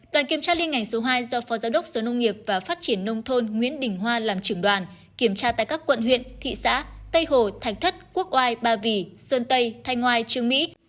đoàn kiểm tra liên ngành số hai do phó giáo đốc sở nông nghiệp và phát triển nông thôn nguyễn đình hoa làm trưởng đoàn kiểm tra tại các quận huyện thị xã tây hồ thạch thất quốc oai ba vì sơn tây thanh oai trương mỹ